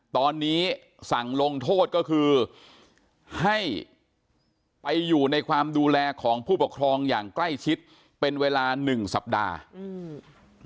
ตอนนี้สั่งลงโทษก็คือให้ไปอยู่ในความดูแลของผู้ปกครองอย่างใกล้ชิดเป็นเวลาหนึ่งสัปดาห์อืม